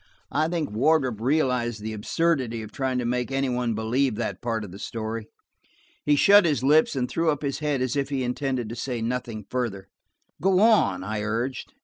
I think Wardrop realized the absurdity of trying to make any one believe that part of the story. He shut his lips and threw up his head as if he intended to say nothing further. "Go on," I urged.